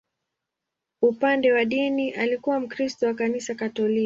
Upande wa dini, alikuwa Mkristo wa Kanisa Katoliki.